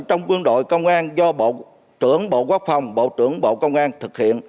trong quân đội công an do bộ trưởng bộ quốc phòng bộ trưởng bộ công an thực hiện